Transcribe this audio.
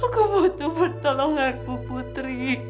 aku butuh pertolonganku putri